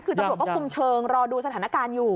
คือตำรวจก็คุมเชิงรอดูสถานการณ์อยู่